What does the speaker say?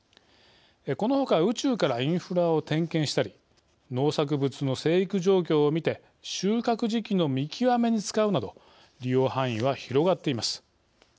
この他宇宙からインフラを点検したり農作物の成育状況を見て収穫時期の見極めに使うなど利用範囲は広がっています。